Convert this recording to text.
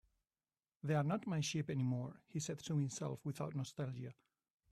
"They're not my sheep anymore," he said to himself, without nostalgia.